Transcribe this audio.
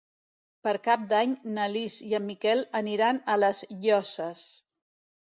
Per Cap d'Any na Lis i en Miquel aniran a les Llosses.